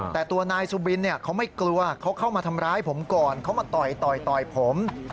แต่ตัวนายสุบินเขาไม่กลัวเขาเข้ามาทำร้ายผมก่อนเขามาต่อยผม